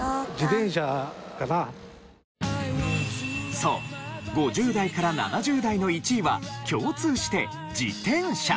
そう５０代から７０代の１位は共通して自転車。